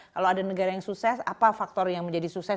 kalau ada negara yang sukses apa faktor yang menjadi sukses